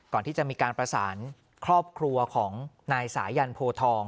ก่อนที่จะมีการประสานครอบครัวของนายสายันโพทอง